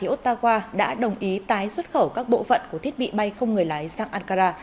ottawa đã đồng ý tái xuất khẩu các bộ phận của thiết bị bay không người lái sang ankara